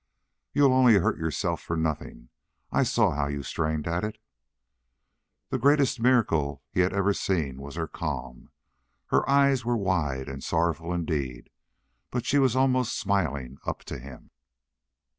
"You'll only hurt yourself for nothing. I saw how you strained at it." The greatest miracle he had ever seen was her calm. Her eyes were wide and sorrowful indeed, but she was almost smiling up to him.